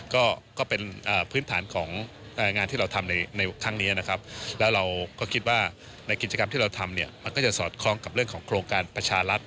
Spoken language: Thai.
ก็เป็นพื้นฐานของงานที่เราทำในครั้งนี้นะครับแล้วเราก็คิดว่าในกิจกรรมที่เราทำเนี่ยมันก็จะสอดคล้องกับเรื่องของโครงการประชารัฐ